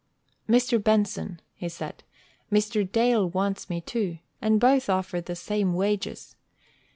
"Mr. Benson," he said, "Mr. Dale wants me, too, and both offer the same wages.